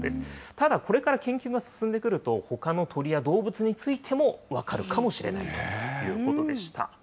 ただ、これから研究が進んでくると、ほかの鳥や動物についても分かるかもしれないということでした。